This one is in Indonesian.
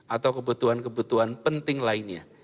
atau kebutuhan kebutuhan penting lainnya